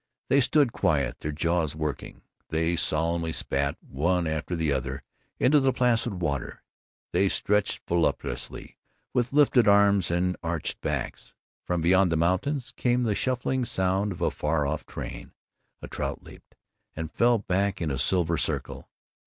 They stood quiet, their jaws working. They solemnly spat, one after the other, into the placid water. They stretched voluptuously, with lifted arms and arched backs. From beyond the mountains came the shuffling sound of a far off train. A trout leaped, and fell back in a silver circle.